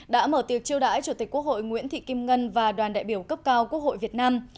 đã mở tiệc chiêu đãi chủ tịch quốc hội nguyễn thị kim ngân và đoàn đại biểu cấp cao quốc hội việt nam